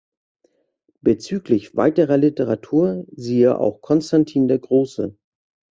Bezüglich weiterer Literatur siehe auch Konstantin der Große.